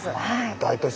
大都市。